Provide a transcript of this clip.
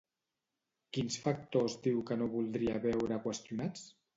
Quins factors diu que no voldria veure qüestionats?